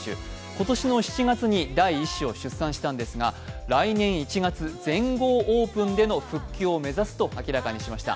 今年の７月に第１子を出産したんですが、来年１月、全豪オープンでの復帰を目指すとしました。